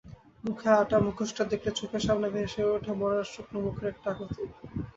মুখে আঁটা মুখোশটা দেখলে চোখের সামনে ভেসে ওঠে মড়ার শুকনো মুখের একটা আকুতি।